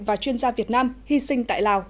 và chuyên gia việt nam hy sinh tại lào